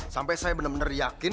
sampai saya bener bener yakin